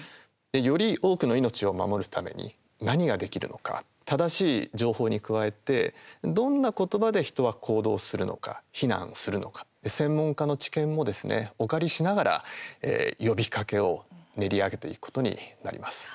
より多くの命を守るために何ができるのか正しい情報に加えてどんな言葉で人は行動するのか避難をするのか専門家の知見もですねお借りしながら、呼びかけを練り上げていくことになります。